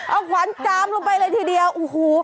เอาขวัญจามลงไปเลยทีเดียวโอ้โห